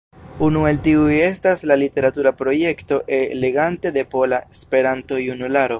Unu el tiuj estas la literatura projekto E-legante de Pola Esperanto-Junularo.